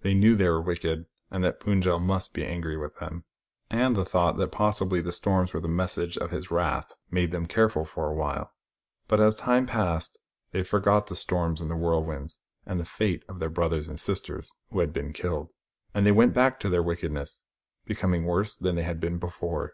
They knew they were wicked, and that Pund jel must be angry with them ; and the thought that possibly the storms were the message of his wrath made them careful for awhile. But as time passed they 104 THE STORY OF THE STARS forgot the storms and whirlwinds, and the fate of their brothers and sisters who had been killed ; and they went back to their wickedness, becoming worse than they had been before.